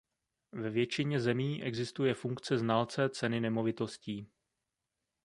Ve většině zemí existuje funkce znalce ceny nemovitostí.